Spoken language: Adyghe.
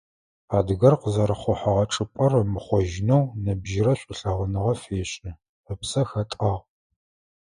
Адыгэр къызэрэхъухьэгъэ чӀыпӀэр ымыхъожьынэу ныбжьырэ шӀулъэгъуныгъэ фешӀы, ыпсэ хэтӀагъ.